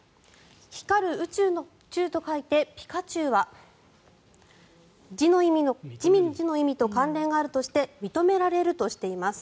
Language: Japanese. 「光る宇宙の宙」と書いて「ぴかちゅう」は字の意味と関連があるとして認められるとしています。